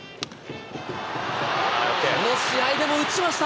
この試合でも打ちました。